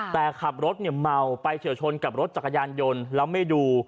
แต่ขับรถเนี่ยเมาไปเฉียวชนกับรถจักรยานยนต์แล้วไม่ดู